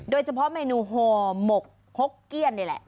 โดยเฉพาะเมนูห่อหมกฮกเกี้ยนนี่แหละ